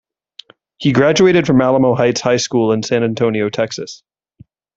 He graduated from Alamo Heights High School in San Antonio, Texas.